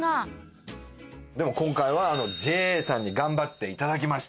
でも今回はＪＡさんに頑張って頂きました。